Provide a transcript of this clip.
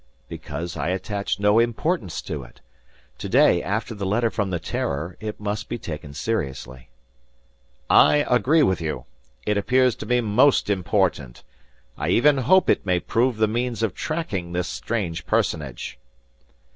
"Because I attached no importance to it. Today, after the letter from the 'Terror,' it must be taken seriously." "I agree with you. It appears to me most important. I even hope it may prove the means of tracking this strange personage."